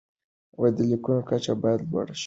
د لیکنو کچه باید لوړه شي.